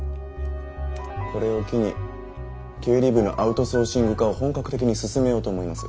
これを機に経理部のアウトソーシング化を本格的に進めようと思います。